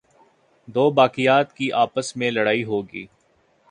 دوباقیات کی آپس میں لڑائی ہوگئی۔